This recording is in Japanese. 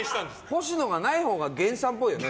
星野がないほうが源さんっぽいよね。